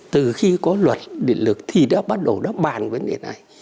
từ khi có luật định lực thì đã bắt đầu đáp bàn vấn đề này